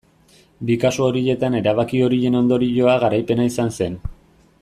Bi kasu horietan erabaki horien ondorioa garaipena izan zen.